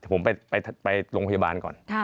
ผมไปโรงพยาบาลก่อน